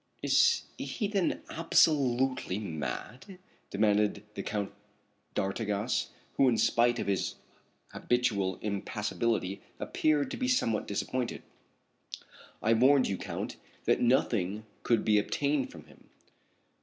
"Is he then absolutely mad?" demanded the Count d'Artigas, who in spite of his habitual impassibility appeared to be somewhat disappointed. "I warned you, Count, that nothing could be obtained from him."